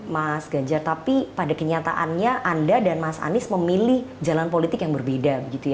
oke niatan anda baik ya mas ganjar tapi pada kenyataannya anda dan mas anies memilih jalan politik yang berbeda